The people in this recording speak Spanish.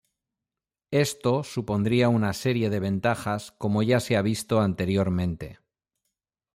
Esto supondría una serie de ventajas como ya se ha visto anteriormente.